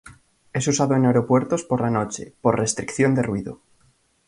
Es usado en aeropuertos por la noche, por restricción de ruido.